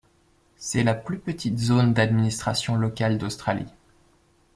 C'est la plus petite zone d'administration locale d'Australie.